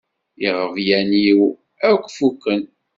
Iɣeblan-iw akk fukken.